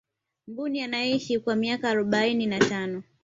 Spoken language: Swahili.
mbuni anaishi kwa miaka arobaini na tano